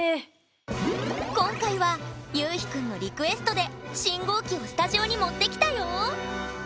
今回はゆうひくんのリクエストで信号機をスタジオに持ってきたよ。